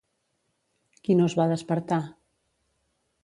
Qui no es va despertar?